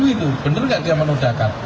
itu benar gak dia menoda kan